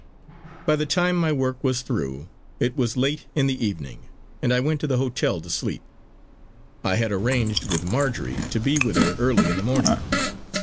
By the time my work was through, it was late in the evening, and I went to the hotel to sleep. I had arranged with Marjory to be with her early in the morning.